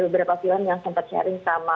beberapa film yang sempat sharing sama